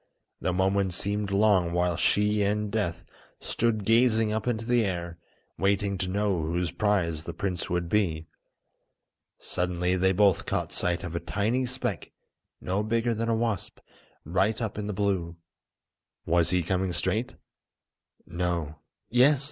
The moments seemed long while she and Death stood gazing up into the air, waiting to know whose prize the prince would be. Suddenly they both caught sight of a tiny speck no bigger than a wasp, right up in the blue. Was he coming straight? No! Yes!